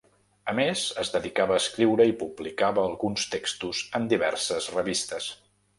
A més es dedicava a escriure i publicava alguns textos en diverses revistes.